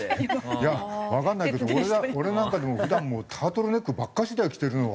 いやわからないけど俺なんかでも普段タートルネックばっかしだよ着てるのは。